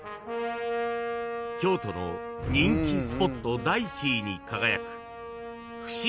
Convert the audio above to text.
［京都の人気スポット第１位に輝く］